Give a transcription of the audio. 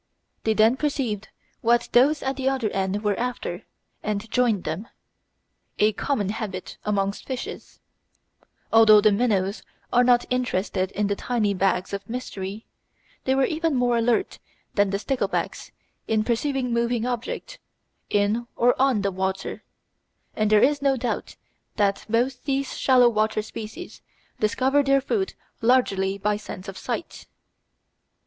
They then perceived what those at the other end were after and joined them a common habit amongst fishes. Although the minnows were not interested in the tiny "bags of mystery," they were even more alert than the sticklebacks in perceiving moving objects in or on the water, and there is no doubt that both these shallow water species discover their food largely by sense of sight.